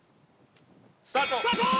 スタート！